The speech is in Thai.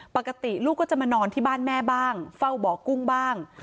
ปกติลูกก็จะมานอนที่บ้านแม่บ้างเฝ้าบ่อกุ้งบ้าง